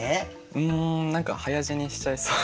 うん何か早死にしちゃいそう。